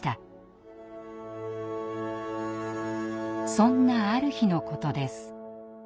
そんなある日のことです。